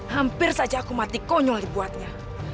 hampir saja aku mati konyol dibuatnya